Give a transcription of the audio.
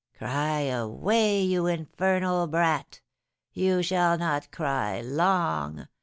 'Cry away, you infernal brat! You shall not cry long!'